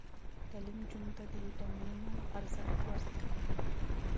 تعلیم نجونو ته د ویټامینونو ارزښت ور زده کوي.